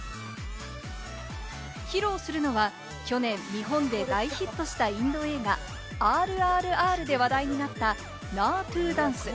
披露するのは去年、日本で大ヒットしたインド映画『ＲＲＲ』で話題になったナートゥダンス。